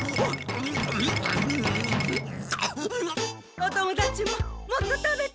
お友だちももっと食べて。